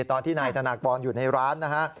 ตอนที่นายธนากรอยู่ในร้านนะฮะ